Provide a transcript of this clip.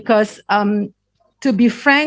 karena untuk berbicara jujur